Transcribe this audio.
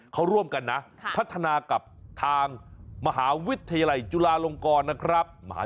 เขาร่วมกันนะพัฒนากับทางมหาวิทยาลัยจุฬาลงกรนะครับ